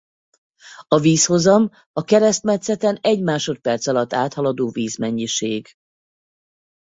A vízhozam a keresztmetszeten egy másodperc alatt áthaladó vízmennyiség.